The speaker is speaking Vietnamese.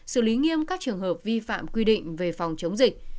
xử lý nghiêm các trường hợp vi phạm quy định về phòng chống dịch